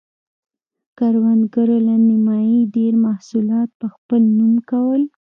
کروندګرو له نییمه ډېر محصولات په خپل نوم کول.